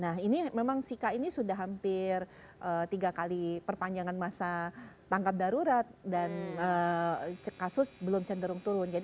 nah ini memang sika ini sudah hampir tiga kali perpanjangan masa tangkap darurat dan kasus belum cenderung turun